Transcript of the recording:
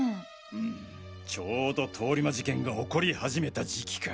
フムちょうど通り魔事件が起こり始めた時期か。